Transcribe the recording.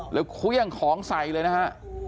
แล้วเครื่องของใส่เลยนะฮะ